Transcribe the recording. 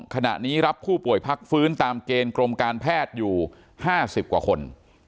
ขณะนี้รับผู้ป่วยพักฟื้นตามเกณฑ์กรมการแพทย์อยู่๕๐กว่าคน